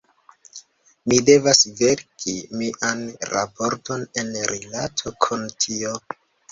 Mi devos verki mian raporton en rilato kun tio.